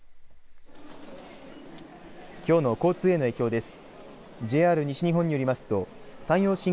きょうの交通への影響です。